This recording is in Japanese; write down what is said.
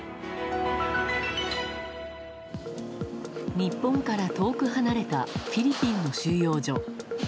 日本から遠く離れたフィリピンの収容所。